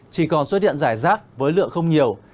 chỉ còn xuất hiện rải rác với lượng không nhiều